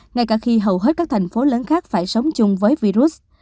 ngay cả khi hầu hết các thành phố lớn khác phải sống chung với virus